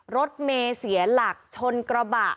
รถเมย์เสียหลักชนกระบะ